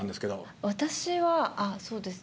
私はそうですね